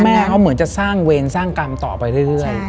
แม่เขาเหมือนจะสร้างเวรสร้างกรรมต่อไปเรื่อย